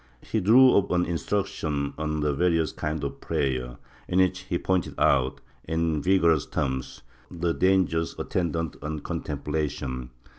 He drew up an Instruction on the various kinds of prayer, in which he pointed out, in vigorous terms, the dangers attendant on contem plation.